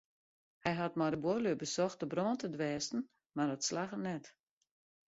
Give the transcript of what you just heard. Hy hat mei de buorlju besocht de brân te dwêsten mar dat slagge net.